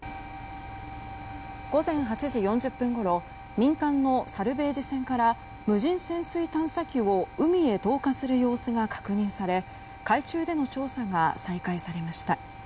午前８時４０分ごろ民間のサルベージ船から無人潜水探査機を海へ投下する様子が確認され海中での調査が再開されました。